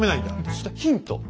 そしたらヒント。